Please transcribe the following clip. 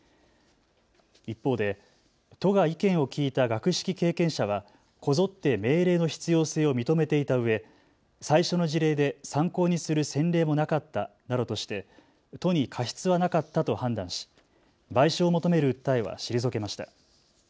一方で都が意見を聞いた学識経験者はこぞって命令の必要性を認めていたうえ最初の事例で参考にする先例もなかったなどとして都に過失はなかったと判断し賠償を求める訴えは退けました。